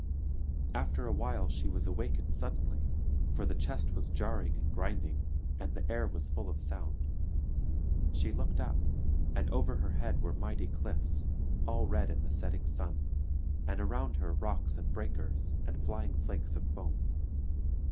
After a while she was awakened suddenly; for the chest was jarring and grinding, and the air was full of sound. She looked up, and over her head were mighty cliffs, all red in the setting sun, and around her rocks and breakers, and flying flakes of foam.